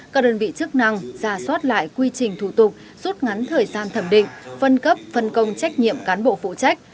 các đơn vị chức năng ra soát lại quy trình thủ tục rút ngắn thời gian thẩm định phân cấp phân công trách nhiệm cán bộ phụ trách